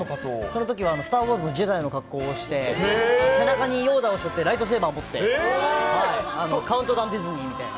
そのときはスターウォーズのジェダイの格好をして、背中にヨーダをしょって、ライトセーバーを持って、カウントダウンディズニーみたいな。